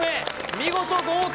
見事合格